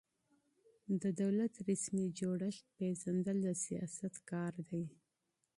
د دولت رسمي جوړښت پېژندل د سیاست کار دی.